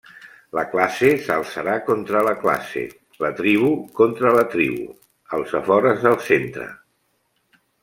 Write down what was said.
La classe s'alçarà contra la classe, la tribu contra la tribu, els afores del centre.